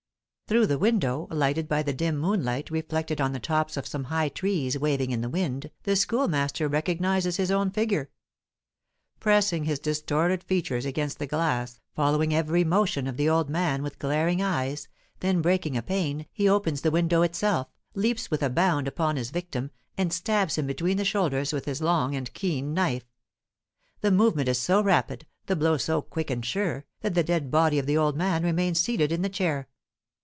Through the window, lighted by the dim moonlight reflected on the tops of some high trees waving in the wind, the Schoolmaster recognises his own figure. Pressing his distorted features against the glass, following every motion of the old man with glaring eyes, then breaking a pane, he opens the window itself, leaps with a bound upon his victim, and stabs him between the shoulders with his long and keen knife. The movement is so rapid, the blow so quick and sure, that the dead body of the old man remains seated in the chair.